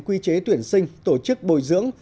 quy chế tuyển sinh tổ chức bồi dưỡng